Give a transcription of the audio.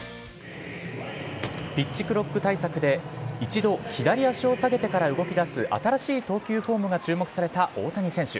ピッチ・クロック対策で一度左足を下げてから動き出す新しい投球フォームが注目された大谷選手。